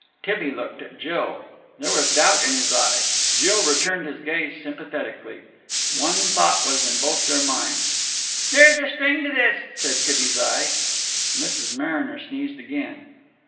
Tibby looked at Jill. There was doubt in his eye. Jill returned his gaze sympathetically. One thought was in both their minds. "There is a string to this!" said Tibby's eye. Mrs. Mariner sneezed again.